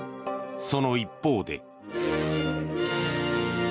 その一方で。